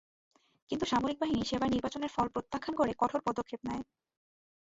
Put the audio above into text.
কিন্তু সামরিক বাহিনী সেবার নির্বাচনের ফল প্রত্যাখ্যান করে কঠোর পদক্ষেপ নেয়।